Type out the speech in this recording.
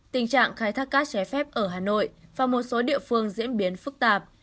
tình trạng khai thác cát trái phép ở hà nội và một số địa phương diễn biến phức tạp